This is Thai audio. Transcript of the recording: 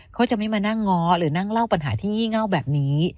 เขาจะไม่มานั่งง้อหรือนั่งเล่าปัญหาที่งี่เง่าแบบนี้